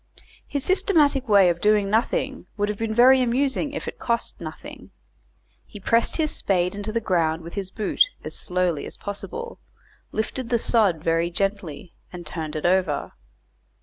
His systematic way of doing nothing would have been very amusing if it cost nothing. He pressed his spade into the ground with his boot as slowly as possible, lifted the sod very gently, and turned it over.